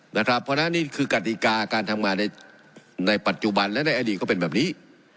เพราะฉะนั้นนี่คือกฎิกาการทำงานในปัจจุบันและในอดีตก็เป็นแบบนี้